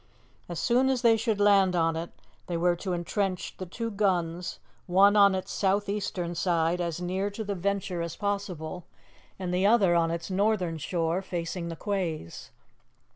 As soon as they should land on it, they were to entrench the two guns, one on its south eastern side, as near to the Venture as possible, and the other on its northern shore, facing the quays.